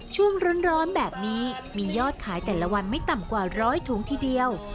ช่วงร้อนแบบนี้มียอดขายแต่ละวันไม่ต่ำกว่าร้อยถุงทีเดียว